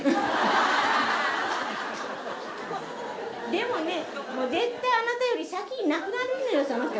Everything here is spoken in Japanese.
でもね、絶対あなたより先に亡くなるんだよ、その人。